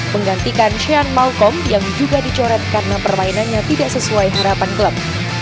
menggantikan sean malcom yang juga dicoret karena permainannya tidak sesuai harapan klub